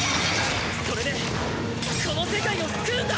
それでこの世界を救うんだ！